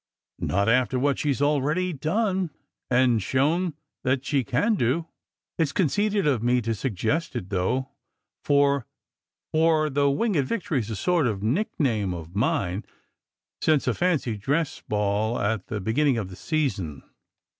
"Not after what she s already done, and shown that she can do. It s conceited of me to suggest it, though, for for the Winged Victory is a sort of a nickname of mine since a fancy dress ball at the beginning of the season."